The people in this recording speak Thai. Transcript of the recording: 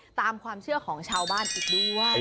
ตามความเชื่อของชาวบ้านอีกด้วย